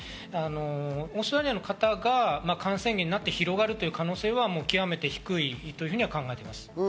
オーストラリアの方が感染源になって広がるという可能性は極めて低いと考えています。